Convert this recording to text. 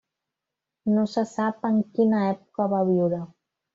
No se sap en quina època va viure.